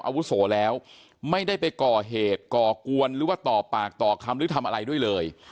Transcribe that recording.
อาวุโสแล้วไม่ได้ไปก่อเหตุก่อกวนหรือว่าต่อปากต่อคำหรือทำอะไรด้วยเลย